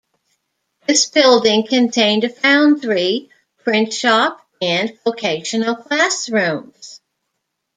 This building contained a foundry, print shop, and vocational classrooms.